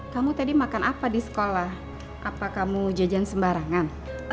kamu tadi makan apa di sekolah apa kamu jajan sembarangan